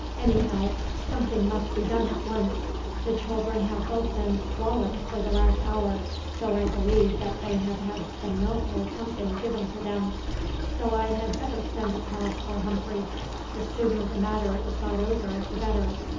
Anyhow, something must be done at once. The children have both been squalling for the last hour, though I believe that they have had some milk or something given to them. So I had better send across for Humphreys, the sooner the matter is got over the better."